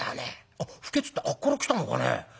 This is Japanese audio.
あっ不潔ってあっから来たのかね。